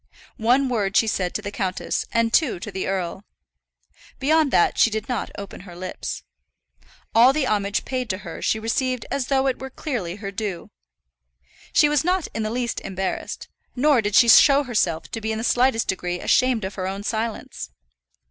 One word she said to the countess and two to the earl. Beyond that she did not open her lips. All the homage paid to her she received as though it were clearly her due. She was not in the least embarrassed, nor did she show herself to be in the slightest degree ashamed of her own silence.